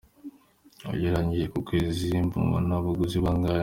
Q: Ugereranije ku kwezi mubona abaguzi bangahe?.